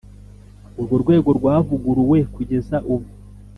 Urworwego rwavuguruwe kugeza ubu .